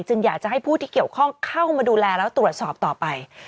อยากจะให้ผู้ที่เกี่ยวข้องเข้ามาดูแลแล้วตรวจสอบต่อไป